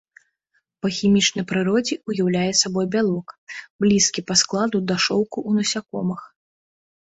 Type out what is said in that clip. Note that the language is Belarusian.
Па хімічнай прыродзе ўяўляе сабой бялок, блізкі па складу да шоўку у насякомых.